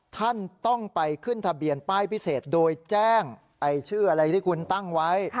ท่านต้องไปขึ้นทะเบียนป้ายพิเศษโดยแจ้งชื่ออะไรที่คุณตั้งไว้